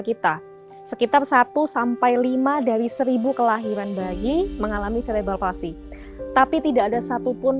kita sekitar satu sampai lima dari seribu kelahiran bayi mengalami serebel palsi tapi tidak ada satupun